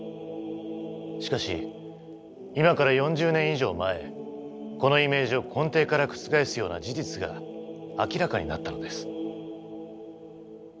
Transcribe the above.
しかし今から４０年以上前このイメージを根底から覆すような事実が明らかになったのです。